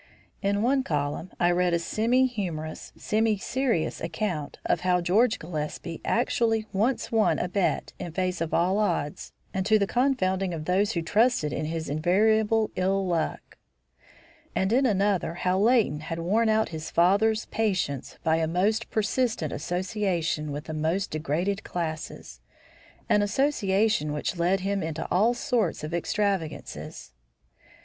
In one column I read a semi humorous, semi serious account of how George Gillespie actually once won a bet in face of all odds and to the confounding of those who trusted in his invariable ill luck; and in another how Leighton had worn out his father's patience by a most persistent association with the most degraded classes, an association which led him into all sorts of extravagances.